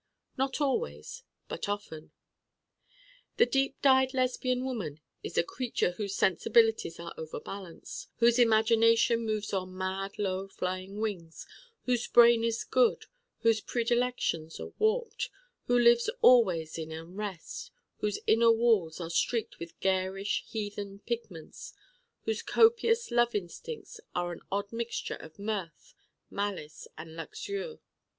Not always. But often. The deep dyed Lesbian woman is a creature whose sensibilities are over balanced: whose imagination moves on mad low flying wings: whose brain is good: whose predilections are warped: who lives always in unrest: whose inner walls are streaked with garish heathen pigments: whose copious love instincts are an odd mixture of mirth, malice and luxure.